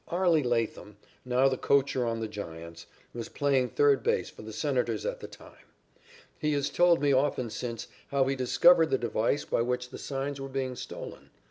Arlie Latham, now the coacher on the Giants', was playing third base for the Senators at the time. He has told me often since how he discovered the device by which the signs were being stolen.